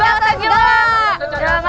aku mau ke sana